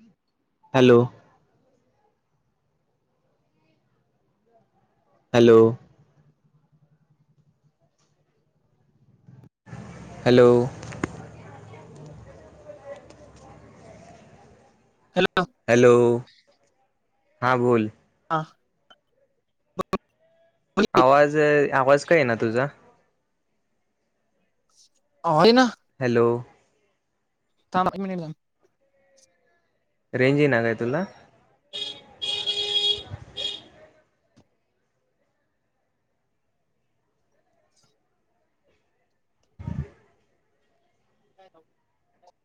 [inaudible] Hello, hello, hello, hello hello हा बोल, हा आवाज आवाज का येना तुझा ह होना, हॅलो, नाकी मम, रेंज यीना काय तुला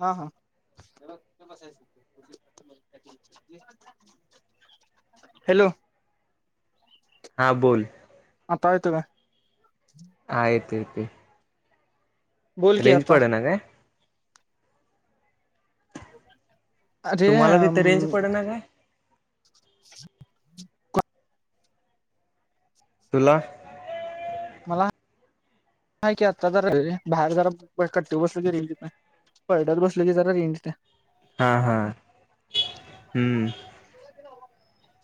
हा, [unintelligible] [inaudible] हॅलो, हा बोल, पायत का? हा येतो-यतो. बोल की रेंज आता पडे ना काय? अरे तुम्हाला अम तिथं रेंज पड ना काय तुला, म मा की आता ज बाहेर जरा कट्टी वसुली पळडल बसले की जरा रेन यीत्या हा हा हम्म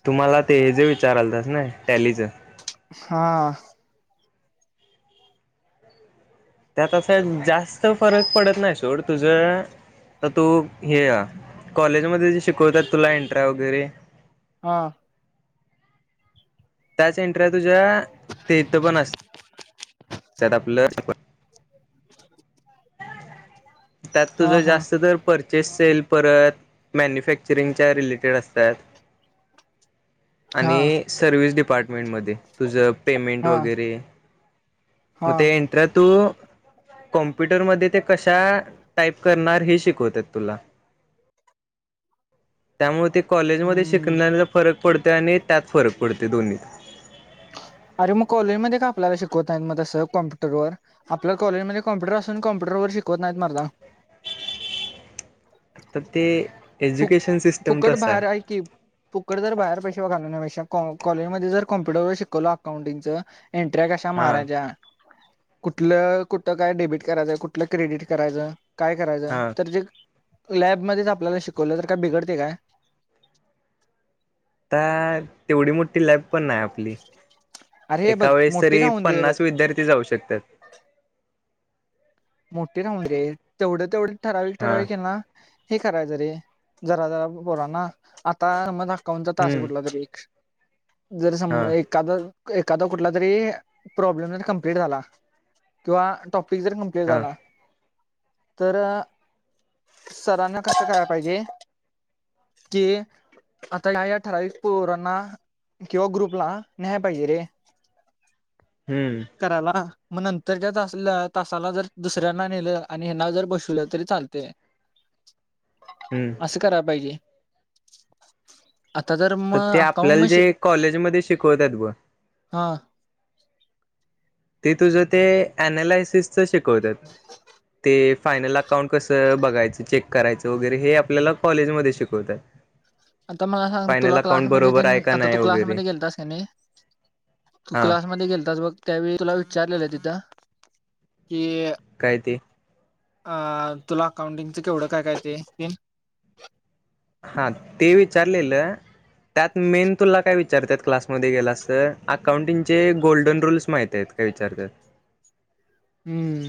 तुमला ते हेज विचारालतास नइ टॅलीचं हा, त्यात असं जास्त फरक पडत नाय सोड तुझअ आता तू हे कॉलेजमध्ये जे शिकवत्यात तुला एंट्र्या वेगैरे हा, त्याच एंट्र्या तुझ्याअ ते इत पण अस त्यात आपलं त्यात हा तुज हा जास्त तर पर चे सेल परत मॅन्युफॅक्चरिंगच्या रिलेटेड असत्यात हा आणि सर्विस डिपार्टमेंटमदे तुझ पेमेंट हा वेगेरे, म हा ते एंट्र्या तू कं पुटर मदे ते कशा टाईप करणार हे शिकवत्यात तुला. त्यामुळे ते, कॉलेजमध्ये हम्म शिकण्यातल फरक पडतोय आणि त्यात फरक पडतोय दोनीत अरे म कॉलेजमध्ये का आपल्याला शिकवत नाईत म तसं कम्प्युटर वर आपल्या कॉलेजमध्ये कॉप्युटर असून कम्प्युटरवर शिकवत नाहीत मरदा. आता ते एज्युकेशन सिस्टम फुक-फुकट तसं बाहेर आहे हाय की फुकट जर बाहेर पैसे पेक्षा कॉ काॅलेजमदे जर कम्प्युटरवर शिकवल आकाउंटिंगच एंट्र्या कशा हां मरायच्या कुटलं कुट काय डेबिट करायचंय कुटलं क्रेडिट करायचं काय करायचं हां तर जे लॅबमध्येच आपल्याला शिकवलं तर काय बिघडतय काय? आता तेवडी मोठी लाईफ पण नइयाय आपली, अरे हे बघ एका वेळेस मोठी तरी राहून दे बघ पन्नास विद्यार्थी जाऊ शकत्यात. मोठी राहून देरे तेवड-तेवड ठराविक हां ठराविक हेना हे करायच रे जरा जरा पोरांना आता समज आकाउंटचा तास हम्म कुठला तरी एक जर सम हां एकाद, एकादा कुटला तरीअ प्रॉब्लेम ज कम्प्लीट झाला किंवा टॉपिक जर हे हा झाला तर, सरांना कसं कराय पाहिजे कि, आता ह्या ह्या ठराविक पोरांना किंवा ग्रुपला न्याया पाहीजे रे. [inaudible] हम्म करायला म नंतरच्या तासल तासाला जर दुसऱ्यांना नेलं आणि हेना जर बशिवलं तरी चालतय. हम्म असं कराय पाइजे. तर ते आपल्याला जे कॉलेजमध्ये शिकवत्यात बघ, हां, ते तुझं ते ऍनालायसिसच शिकवत्यात. ते फायनल अकाउंट कसं बगायचं, चेक करायचं वगैरे हे आपल्याला कॉलेजमध्ये शिकवत्यात. आता मला सांग, तुला क्लासमध्ये तेन आहे का आता नाही तू वगैरे क्लासमध्ये गेलतास का नही तू हां क्लासमध्ये गेलतास बग त्यावेळी तुला विचारलेलं तिथं. की काय ते? अं, तुला अकाउंटिंगचं केवड काय काय येतय ते. हां ते विचारलेलं त्यात मेन तुला काय विचारत्यात क्लासमध्ये गेलास तर, आकाउंटिंगचे गोल्डन रूल्स माहित हाईत काय विचारत्यात. हम्म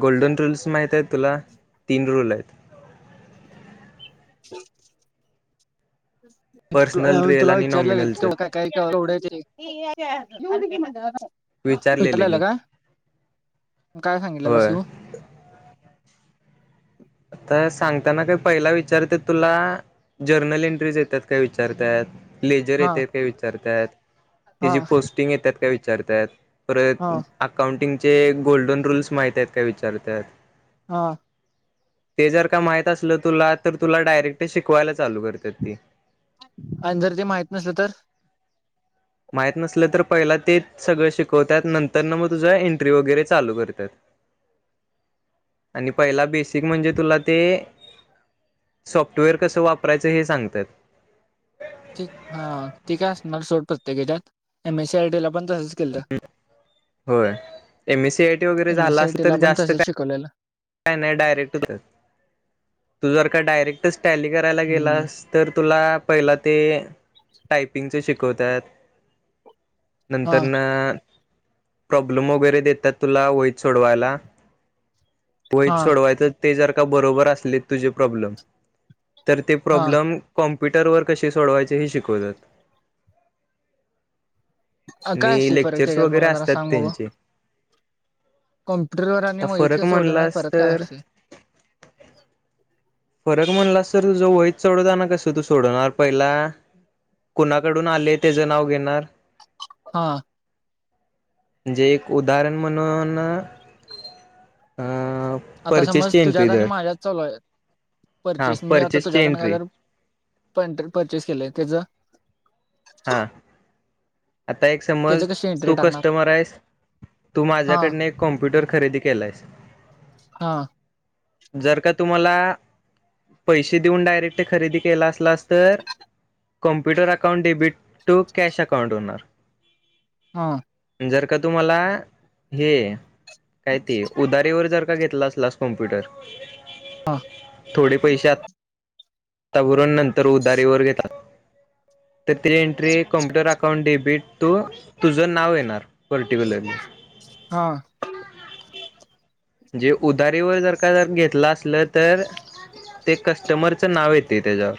गोल्डन रूल्स माईत हाईत तुला? तीन रूल हायत. [inaudible] [unintelligible] [unintelligible] पर्सनल रिअल आणि नॉमिनलचं विचारलेले की विचारलेला का? काय सांगितलेलस होय तू? आता सांगताना काही पहिला विचारते तुला, जर्नल एंट्रीज येतात काय विचारतात. लेजर हा येतात काय विचारतात, हा त्याची पोस्टिंग येतात काय विचारतात. परत हा अकाउंटिंगचे गोल्डन रूल्स माहित आहेत का विचारतात. हा, ते जर का माहित असलं तुला तर तुला डायरेक्ट शिकवायला चालू करतात ती. आणि जर ते माहित नसलं तर? माहत नसलं तर पहिला तेच सगळं शिकवतात. नंतरन मग तुझ्या एंट्री वगैरे चालू करतात. आणि पहिला बेसिक म्हणजे, तुला ते सॉफ्टवेअर कसं वापरायचं हे सांगतात. ते, हा. ते काय असणार? सोड प्रत्येक येच्यात. M S C I T ला पण तसंच केलत. होय M S C I T वगैरे एम एस झाला सी आय असेल टी तर, ला पण जास्त तसंच काय शिकवलेलं का नाही डायरेक्ट होतात. तू जर का डायरेक्टच टॅली करायला हम्म गेलास तर तुला पहिला ते टायपिंगचे शिकवतात, हा नंतरन प्रॉब्लेम वगैरे देतात तुला वहीत सोडवायला. हा वहीत सोडवायचं, ते जर का बरोबर असले तुझे प्रॉब्लेम तर ते हा प्रॉब्लेम कॉम प्युटर कसे सोडवायचे हे शिकवतात. काय आणि असते फरक लेक्चर्स त्याच्यात वगरे मला जरा असतात सांग बघू त्यांचे. कॉम्प्युटरवर आणि आता वाहितलं फरक सोडण्यात म्हणलास फरक काय तर असते? फरक म्हणलास तर तुझं वहीत सोडवताना कसं तू सोडवणार? पहिला कुणाकडून आले त्याच नाव घेणार, हां, म्हणजे एक उदाहरण म्हणून अं आता समज तुझ्यात आणि माझ्यात चलू आहेत हा परचेस मी आता परचेसची तुझ्याकडन काय एंट्री तर प परचेस केलंय त्याच हा आता एक त्याचं समज कशी एंट्री तू टाकणार कस्टमर आहेस तू हा माझ्याकडने एक कॉम्प्युटर खरेदी केलायस हा जर का तुम्हाला पैसे देऊन डायरेक्ट खरेदी केला असलास तर computer account debit to cash account होणार हम जर का तुम्हाला हे कायती उदारीवर जर का घेतला असलास कॉम्प्युटर थोडे पैसेत वातावरण नंतर उदारी व घेतात त एंट्री कम्प्युटर अकाउंट डेबिट तू तुझं नाव येणार पर्टिक्युलरली हा म्हणजे उधारीवर जर का जर घेतला असलं तर ते कस्टमरचं नाव येत ती ते जा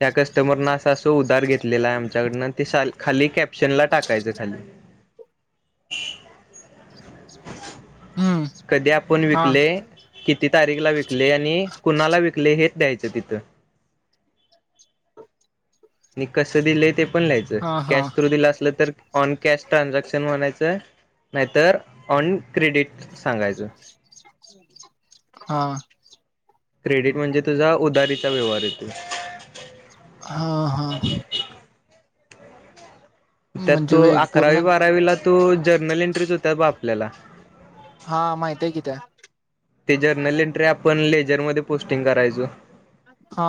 त्या कस्टमर न असा असं उधार घेतलेला आहे आमच्याकडन ते खाली कॅप्शन ला टाकायचं खाली हम्म कधी आपण हा विकले कि ति तारीखला विकले आणि कुणाला विकले हेच द्यायचं तिथं मि कसं दिलंय ते, पण लिहायचं हा हा कॅश थ्रू दिलं असल, तर ऑन कॅश ट्रानझॅक्शन म्हणायचं नाही तर, अन क्रेडिट. हा. क्रेडिट म्हणजे तुझा उदारीचा व्यवहार येते, आ हा हा. त्यात म्हणजे तू वेग अकरावी पूर्ण बारावीला तू जर्नल एंट्रीच होत बा आपल्याला. हा माहित हेय कि त्या. ते जर्नल एंट्री आपण लेजरमध्ये पोस्टिंग करायचो. हा.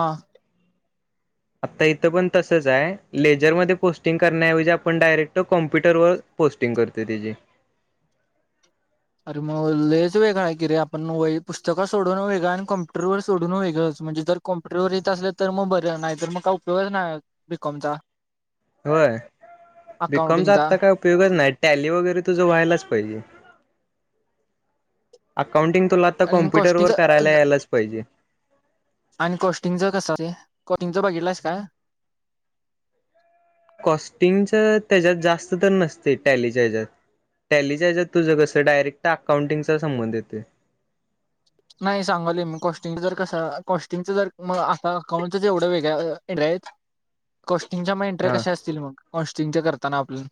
[inaudible] आता इथं पण तसंच हाय, लेजरमध्येध्ये पोस्टिंग करण्याऐवजी आपण डायरेक्ट कॉम्प्युटरवर पोट टिंग कर ते ते त्याचे. अरे मं लेच वेगळां आहे की रे, आपण व्हई पुस्तकं सोडून वेगळ आणि कम्प्युटरवर सोडून वेगळंच. म्हणजे तर कॉम्प्युटर येत असेल, तर मग बरं नाहीतर मग काय उपयोग नाही बीकॉम चा. होय बीकॉमचा अकाउंटिंगचा आत्ता काय उपयोगच नाही. टॅली वगैरे तुझं व्हायलाच पाहिजे अत काउंटिंग तुला आता आणि कॉम्प्युटरवर करायला कॉस्टिंगच यालाच पाहिजे. आणि कॉस्टिंगचा कसा रे कोटिंग बघितलास का. कॉस्टिंगच त्याच्यात जास्त तर नसते टॅलीच्या ह्याच्यात. टॅलीच्या याच्यात तुझं कसं डायरेक्ट अकाउंटिंग चा संबंध येते. नाही सांगाली मी कॉस्टिंग जर कसं कॉस्टिंगच जर मंग अखं अकाउंटच येवढं वेगळं रॅप [unintelligible] त्यांचा मं एंट्री हा कश्या असतील, मग कॉस्टिंग च करतांना आपं-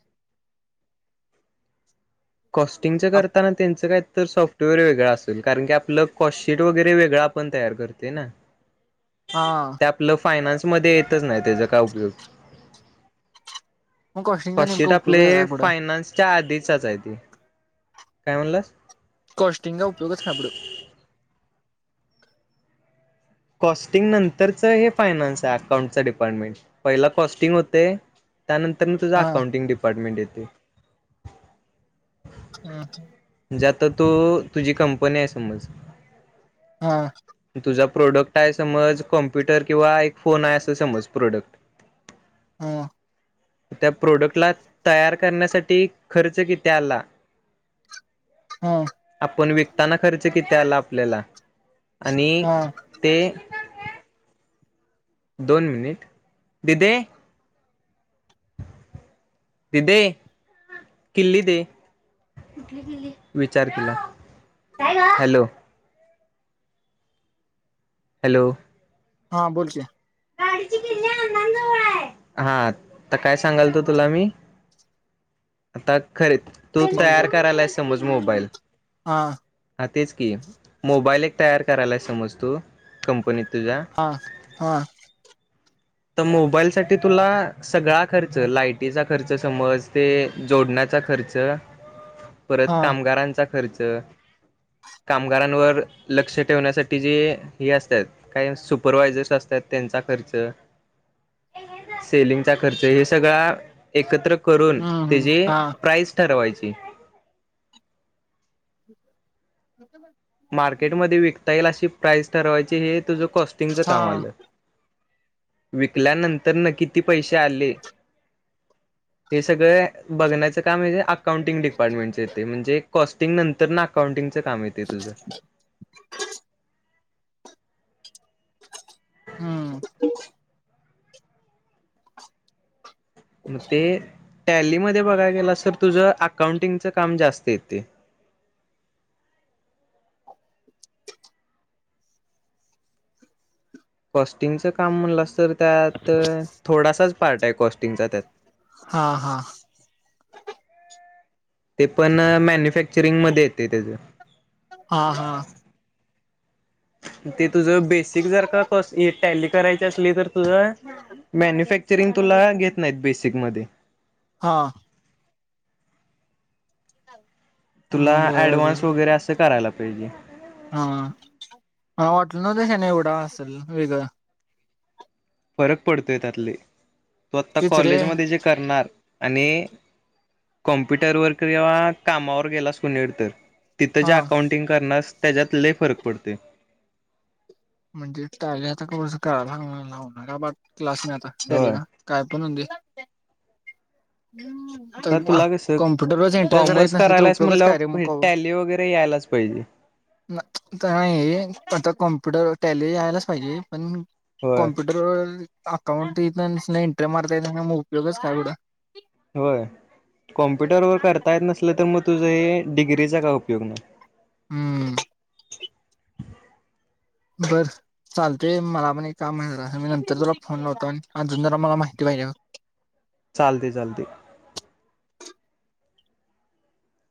कॉस्टिंगच करताना त्यांचं काय तर सॉफ- तो वेळ वेगळा असतोय कारण की आपलं, कॉस्शीट वगैरे वेगळां आपण तयार करतोय ना. हां. फायनान्स मध्ये येतच नाही, त्याचा काय उपयोग. मग कॉस्टिंगचा नेमका कॉस्शिट उपयोग आपले काय पुढं फायनान्सच्या आधीचाच हे काय म्हणलं. कास्टिंग ला उपयोग सापड- कॉस्टिंग नंतरचा हे फायनान्सच अकाउंटच डिपार्टमेंट पहिला कॉस्टिंग होतय. त्यानंतर मी तुझा हा अकाउंटिंग डिपार्टमेंट येते. [inaudible] त्यात तर तू ऊ तुझी कंपनी आहे समज. आं. तुझा प्रॉडक्ट आहे समज कॉम्प्युटर किंवा आय फोन आहे अस समजत प्रॉडक्ट. [inaudible] [inaudible] त्या प्रोडक्टला तयार करण्यासाठी खर्च किती आला. हा. पण विकताना खर्च किती आला आपल्याला आणिई हा तेए दोन मिनिट दिदेए दीदे किल्ली दे, विचार तिला हॅलो. हॅलो. हा बोलकी. हा तर काय सांगाल तो तुला मी आता खरे तू तयार करायला हे समज मोबाईल, हाआ. हा तेच की मोबाईल एक तयार करायला समज तू कंपनीत. तुझ्या हा हा तर मोबाईल साठी तुला सगळा खर्च लायटीचा खर्च समज ते जोडण्या खर्च परत हा कामगारांचा खर्च कामगारांवर लक्ष ठेवण्यासाठी जे हे असतात काही सुपरवायझर्स असतात त्यांचा खर्च सेलिंगचा खर्च हे सगळा एकत्र करून हम्म हम्म त्याची हा प्राईस ठरवायची म मार्केटमध्ये विकता येईल अशी प्राइस ठरवायची हे तुझं कॉस्टिंगच हा काम आलं विकल्यानंतर न किती पैसे आले हे सगळं बघण्याचं काम म्हजे अकाउंटिंग डिपार्टमेंटचे येते म्हणजे कॉस्टिंग नंतर ना अकाउंटिंग काम येते तुझ हम्म नतेे टॅलीमध्ये बघा गेला सर तुझं अकाउंटिंगचं काम जास्त येते आई ईद कॉस्टिंगचं काम म्हणलं तर त्यात थोडासाच पार्ट आहे कॉस्टिंगचा त्यात हा हा ते पण मॅन्युफॅक्चरिंग मध्ये येते त्याचं हा हा ते तुझं बेसिक जर का कस टॅली करायची असली तर तुझं मॅन्युफॅक्चर ंग तुला घेत नाहीत बेसिक मध्ये हा तुला बर ऍडव्हान्स बर वगैरे असं करायला पाहिजे हा हा हॉटल नश आहे ना एवढा असेल वेगळं फरक पडतोय त्यातले तो आता तेच रे कॉलेजमध्ये जे करणार आणि कॉम्प्युटरवरर किंवा कामावर गेलास क निड तर तिथं हा ज्या अकाउंटिंग करण्यास त्याच्यात लय फरक पडते म्हणजे टाले आता कर्स करा लाव लावून का क्लास म आता त्याले होय ना काय पणे तर तुला कस कॉम्प्युटरवरच एंटर करायच कॉमर्स नसली तर करायलाच उपयोगच काय रे म्हणलं मग टॅली वगैरे यायलाच पाहिज जे तर नाही आता कोण कप्युटर टॅलेज यायलाच पाहिजे पण होय कॉम्प्युटरवर अकाउंट इथ एंटर मारता य मग उपयगच काय बडा होय कॉम्प्युटर वर करता येत नसलं तर मग तुझं हे डिग्रीचा काय उपयोग नाही हम्म बर चालतेय मला पण एक काम माहि मी नंतर जरा फोन लावतो आणि अजून जरा मला माहिती पाहिजे चालते चालते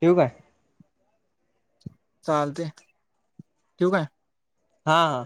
ठेऊ काय चालते ठव काय हा हा